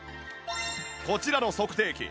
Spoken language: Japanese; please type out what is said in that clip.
こちらの測定器